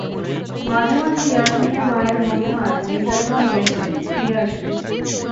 মাঝে মাঝে ইয়াসমিনের মায়ের মনে হয়, মেয়েটা কোথাও গেছে, ফিরে আসবে।